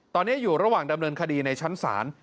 ตอนนี้อยู่ระหว่างดำเนินคดีในชั้นศาล